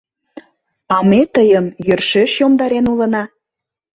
А ме тыйым йӧршеш йомдарен улына...